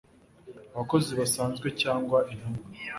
abakozi basanzwe cyangwa intumwa